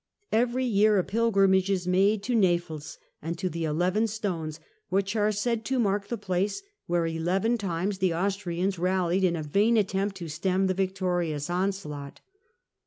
Evei'y year a pilgrimage is made to Nafels and to the Eleven Stones, which are said to mark the place where eleven times the Austrians rallied in a vain attempt to stem the victorious onslaught.